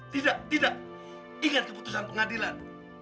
tidak tidak ingat keputusan pengadilan